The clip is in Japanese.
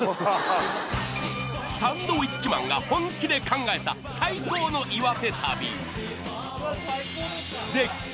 サンドウィッチマンが本気で考えた最高の岩手旅絶景！